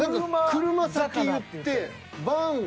「車」先言って。